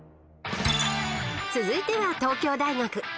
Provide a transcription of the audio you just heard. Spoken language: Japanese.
［続いては東京大学］